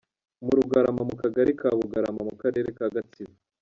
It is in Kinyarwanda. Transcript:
mu Rugarama mu kagari ka Bugarama mu karere ka Gatsibo.